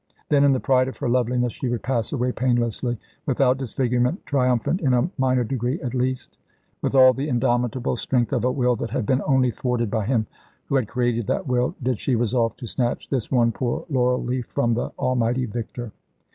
Then in the pride of her loveliness she would pass away painlessly, without disfigurement, triumphant in a minor degree, at least. With all the indomitable strength of a will that had been only thwarted by Him who had created that will, did she resolve to snatch this one poor laurel leaf from the Almighty Victor.